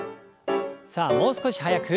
さあもう少し速く。